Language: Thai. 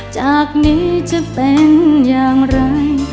จากนี้จะเป็นอย่างไร